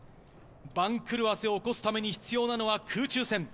番狂わせを起こすために必要なのは空中戦。